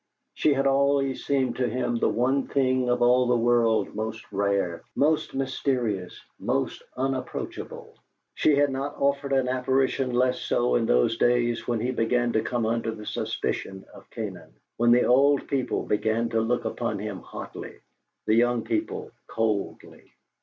She had always seemed to him the one thing of all the world most rare, most mysterious, most unapproachable. She had not offered an apparition less so in those days when he began to come under the suspicion of Canaan, when the old people began to look upon him hotly, the young people coldly.